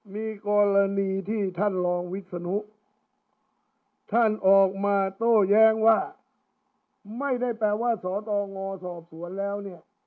มีกรณีที่ท่านรองวิศนุท่านออกมาโต้แย้งว่าไม่ได้แปลว่าสตงสอบสวนแล้วเนี่ย